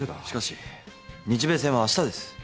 しかし日米戦はあしたです。